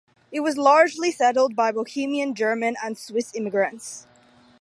It was largely settled by Bohemian, German and Swiss immigrants.